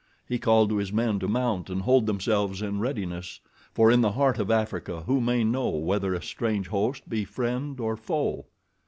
He called to his men to mount and hold themselves in readiness, for in the heart of Africa who may know whether a strange host be friend or foe?